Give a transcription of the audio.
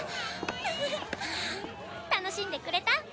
楽しんでくれた？